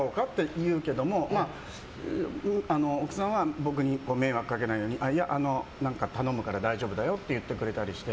言うけども奥さんは僕に迷惑かけないように何か頼むから大丈夫だよって言ってくれたりして。